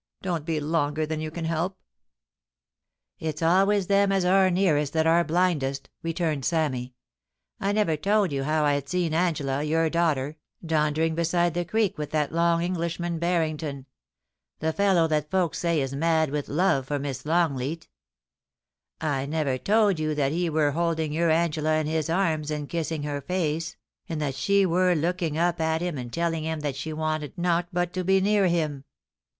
Don't be longer than you can help.' 302 POUCY AXD PASSJOX. ' It's always them as are nearest that are blindest,' rettimed Sammy. * I never tow'd you how I had seen Angela, your dau^ter, daunderii^ beside the creek with that long Eng lishman, Barrington — the fellow that folks say is mad with love for Miss Longleat I never tow'd you that he wur holding your Angela in his arms, and kissing her faxx, and that she wur looking up at him and telling him that she wanted nowt but to be near him.'